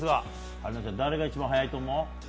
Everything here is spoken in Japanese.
春奈ちゃん誰が一番速いと思う？